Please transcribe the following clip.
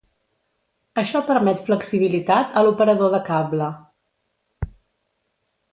Això permet flexibilitat a l'operador de cable.